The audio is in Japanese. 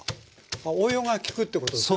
あ応用が利くってことですね